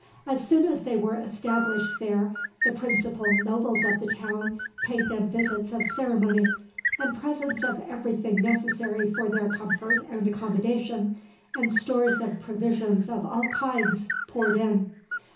As soon as they were established there, the principal nobles of the town paid them visits of ceremony; and presents of everything necessary for their comfort and accommodation, and stores of provisions of all kinds, poured in.